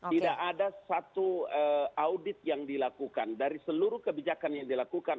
tidak ada satu audit yang dilakukan dari seluruh kebijakan yang dilakukan